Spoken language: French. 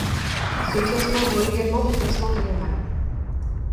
Ce classement vaut également de classement général.